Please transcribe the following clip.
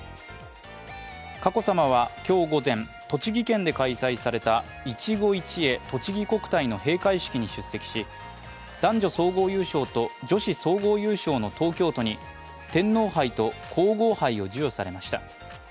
佳子さまは今日午前栃木県で開催されたいちご一会とちぎ国体の閉会式に出席し、男女総合優勝と女子総合優勝の東京都に天皇杯と皇后杯を授与されました。